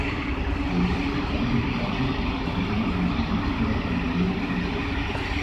Deze is ingrijpend gewijzigd door veranderingen in onze levensstijl en door nieuwe technieken.